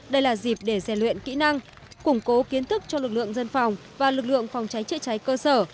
đây là dịp để giàn luyện kỹ năng củng cố kiến thức cho lực lượng dân phòng và lực lượng phòng cháy chữa cháy cơ sở